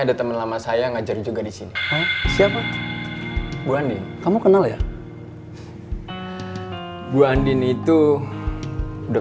ada teman lama saya ngajar juga di sini siapa bu andi kamu kenal ya bu andin itu udah